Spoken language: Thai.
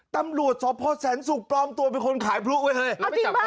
ตำรวจสอบภาวแสนศุกร์ปลอมตัวเป็นคนขายพลุไว้เฮ้ยเอาจริงป่ะ